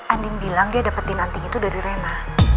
andi bilang dia dapetin antinya itu dari rena